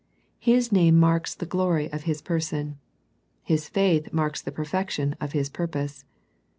His name marks the glory of His Person. His faith marks the perfection of His purpose.